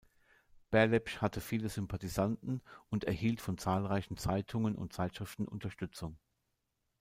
Berlepsch hatte viele Sympathisanten und erhielt von zahlreichen Zeitungen und Zeitschriften Unterstützung.